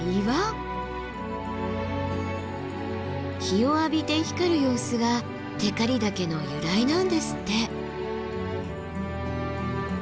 日を浴びて光る様子が光岳の由来なんですって。